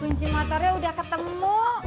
kunci motornya udah ketemu